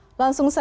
terima kasih pak